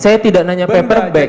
saya tidak nanya paperback